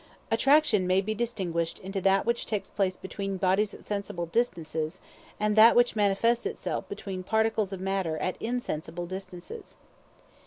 Attraction may be distinguished into that which takes place between bodies at sensible distances, and that which manifests itself between the particles of matter at insensible distances.